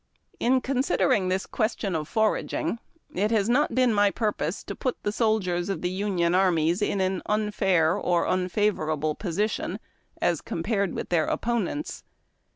In considering tliis question of foraging, it has not been my purpose to put the soldiers of the Union armies in an unfair or unfavorable position as compared with their oppo nents.